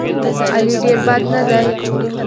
علي ډېر بد نه دی.